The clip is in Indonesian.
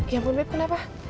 ya ampun bapak